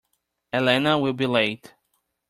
Elena will be late.